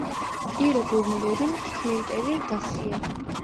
ირო გურმულირი ჩქიმი მტერი რდასია."